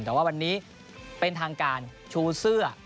แต่ว่าวันนี้เป็นทางการชูเสื้อ